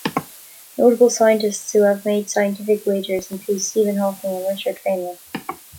Notable scientists who have made scientific wagers include Stephen Hawking and Richard Feynman.